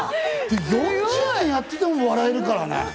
４０年やってても笑えるからね。